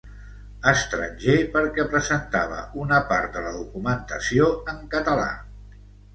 Estranger perquè presentava una part de la documentació en català.